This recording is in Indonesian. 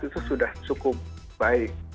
itu sudah cukup baik